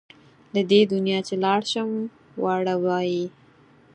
له دې دنیا چې لاړ شم واړه وايي.